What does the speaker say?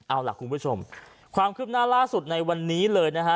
เอาล่ะคุณผู้ชมความคืบหน้าล่าสุดในวันนี้เลยนะฮะ